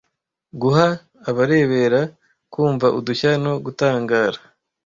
Guha abarebera kumva udushya no gutangara "